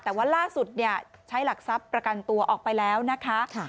แต่ว่าล่าสุดใช้หลักทรัพย์ประกันตัวออกไปแล้วนะคะ